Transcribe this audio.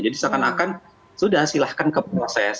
jadi seakan akan sudah silahkan ke proses